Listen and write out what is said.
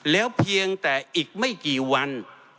แล้วเพียงแต่อีกไม่กี่วัน